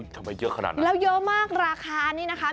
ทำไมเยอะขนาดนี้แล้วเยอะมากราคานี่นะคะ